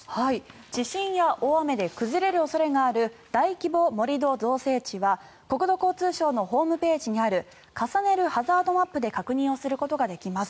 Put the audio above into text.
地震や大雨で崩れる恐れがある大規模盛土造成地は国土交通省のホームページにある重ねるハザードマップで確認することができます。